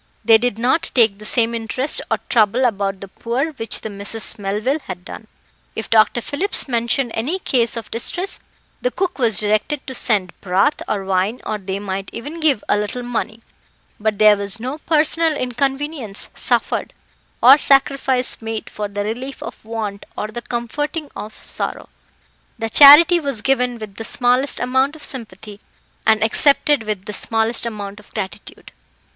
They did not take the same interest or trouble about the poor which the Misses Melville had done. If Dr. Phillips mentioned any case of distress, the cook was directed to send broth, or wine, or they might even give a little money; but there was no personal inconvenience suffered or sacrifice made for the relief of want or the comforting of sorrow. The charity was given with the smallest amount of sympathy, and accepted with the smallest amount of gratitude.